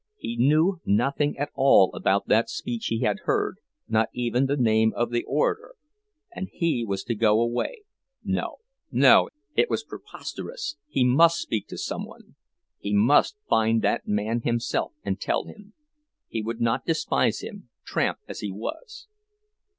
He knew nothing at all about that speech he had heard, not even the name of the orator; and he was to go away—no, no, it was preposterous, he must speak to some one; he must find that man himself and tell him. He would not despise him, tramp as he was!